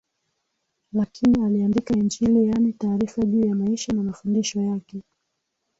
lakini aliandika Injili yaani taarifa juu ya maisha na mafundisho yake